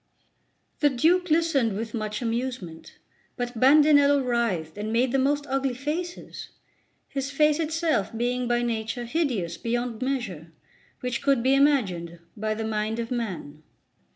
The Duke listened with much amusement; but Bandinello writhed and made the most ugly faces his face itself being by nature hideous beyond measure which could be imagined by the mind of man.